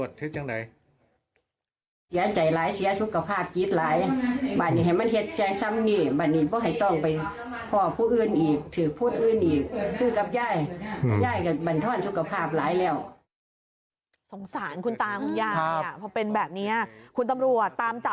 เสียใจร้ายเสียสุขภาพกิจร้าย